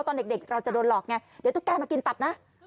ตอนเด็กเราจะโดนหลอกไงเดี๋ยวตุ๊กแกมากินตัดนะ